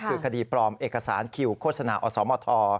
คือคดีปลอมเอกสารคิวโฆษณาอสมท